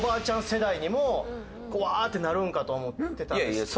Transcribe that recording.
世代にもウワー！ってなるんかと思ってたんですけど。